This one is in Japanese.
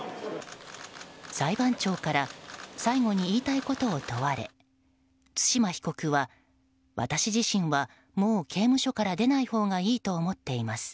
裁判長から最後に言いたいことを問われ対馬被告は、私自身はもう刑務所から出ないほうがいいと思っています。